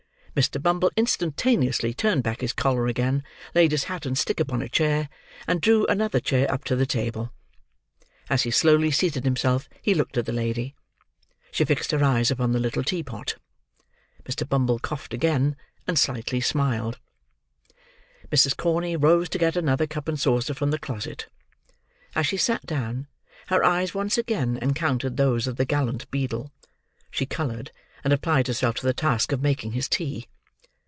Mr. Bumble instantaneously turned back his collar again; laid his hat and stick upon a chair; and drew another chair up to the table. As he slowly seated himself, he looked at the lady. She fixed her eyes upon the little teapot. Mr. Bumble coughed again, and slightly smiled. Mrs. Corney rose to get another cup and saucer from the closet. As she sat down, her eyes once again encountered those of the gallant beadle; she coloured, and applied herself to the task of making his tea.